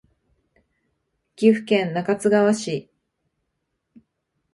岐阜県中津川市